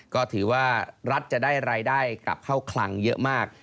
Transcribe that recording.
ก็ถือว่ารัฐจะได้รายได้กลับเข้าคลังเยอะมาก